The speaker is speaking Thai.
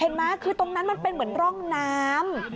เห็นไหมคือตรงนั้นมันเป็นเหมือนร่องน้ำ